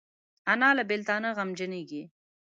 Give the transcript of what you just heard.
انا له بیلتانه غمجنېږي